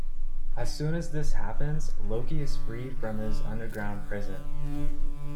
As soon as this happens, Loki is freed from his underground prison.